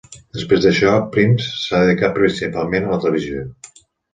Després d'això, Prims s'ha dedicat principalment a la televisió.